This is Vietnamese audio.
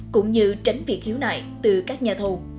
cũng như tránh việc khiếu nại từ các nhà thầu